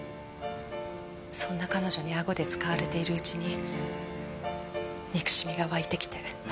そんな彼女にあごで使われているうちに憎しみが湧いてきて。